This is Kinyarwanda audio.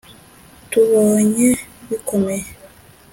_tubonye bikomeye